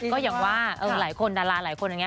ก็อย่างว่าอหลาห์หลายคน